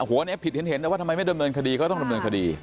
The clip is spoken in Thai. หัวนี้ผิดเห็นแต่ว่าทำไมไม่ดำเนินคดีก็ต้องดำเนินคดี